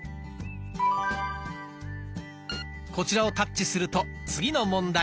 こちらをタッチすると次の問題。